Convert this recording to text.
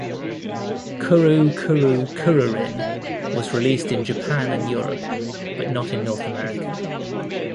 "Kuru Kuru Kururin" was released in Japan and Europe, but not in North America.